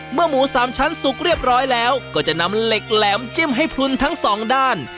หมูสามชั้นสุกเรียบร้อยแล้วก็จะนำเหล็กแหลมจิ้มให้พลุนทั้งสองด้าน